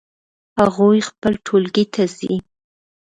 هغوی خپل ټولګی ته ځي